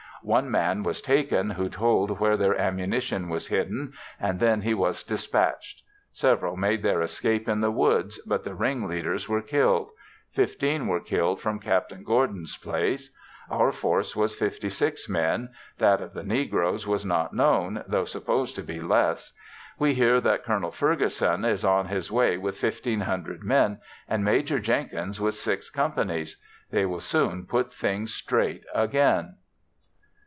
One man was taken who told where their ammunition was hidden, and then he was dispatched. Several made their escape in the woods but the ring leaders were killed; 15 were killed from Capt. Gourdin's place. Our force was 56 men; that of the negroes was not known, though supposed to be less. We hear that Col. Ferguson is on his way with 1,500 men, and Major Jenkins with six companies. They will soon put things straight again.